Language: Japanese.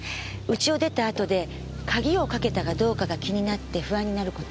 家を出た後で鍵をかけたかどうかが気になって不安になること。